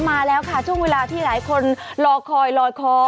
มาแล้วค่ะช่วงเวลาที่หลายคนรอคอยลอยคอ